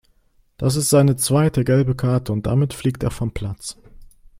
Das ist seine zweite gelbe Karte und damit fliegt er vom Platz.